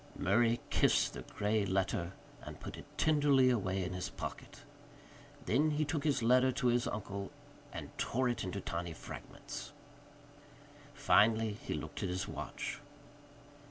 Murray kissed the grey letter and put it tenderly away in his pocket. Then he took his letter to his uncle and tore it into tiny fragments. Finally he looked at his watch.